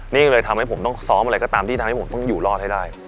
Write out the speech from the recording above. นี่เลยทำให้ผมต้องซ้อมอะไรก็ตามที่ทำให้ผมต้องอยู่รอดให้ได้